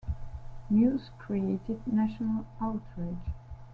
News created national outrage.